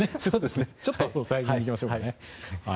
ちょっと抑え気味にいきましょうかね。